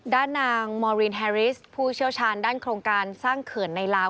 ด้านนางมอรินแฮริสผู้เชี่ยวชาญด้านโครงการสร้างเขื่อนในลาว